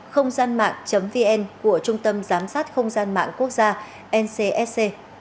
không gian mạng vn của trung tâm giám sát không gian mạng quốc gia ncsc